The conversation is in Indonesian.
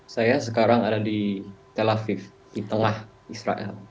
saya sekarang ada di tel aviv di tengah israel